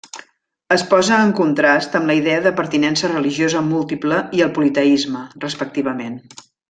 Es posa en contrast amb la idea de pertinença religiosa múltiple i el politeisme, respectivament.